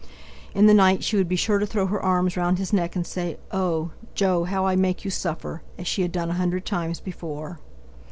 In the night she would be sure to throw her arms round his neck and say: "Oh! Jo, how I make you suffer!" as she had done a hundred times before.